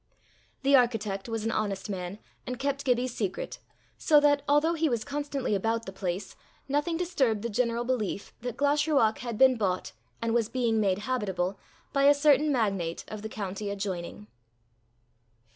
The architect was an honest man, and kept Gibbie's secret, so that, although he was constantly about the place, nothing disturbed the general belief that Glashruach had been bought, and was being made habitable, by a certain magnate of the county adjoining.